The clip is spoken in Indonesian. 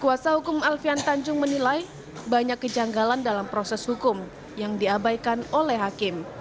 kuasa hukum alfian tanjung menilai banyak kejanggalan dalam proses hukum yang diabaikan oleh hakim